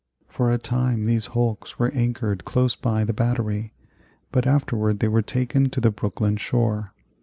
For a time these hulks were anchored close by the Battery, but afterward they were taken to the Brooklyn shore.